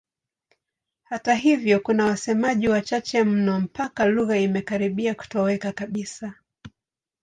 Hata hivyo kuna wasemaji wachache mno mpaka lugha imekaribia kutoweka kabisa.